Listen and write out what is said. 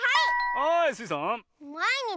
はいスイさん。